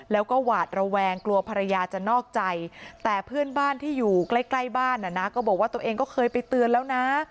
แล้วก็หวาดระแวงกลัวภรรยาจะนอกใจแต่เพื่อนบ้านที่อยู่ใกล้บ้านก็บอกว่าตัวเองก็เคยไปเตือนแล้วนะ